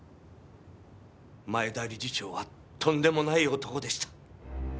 前田理事長はとんでもない男でした。